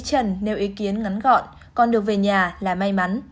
nickname thúy trang nêu ý kiến ngắn gọn còn được về nhà là may mắn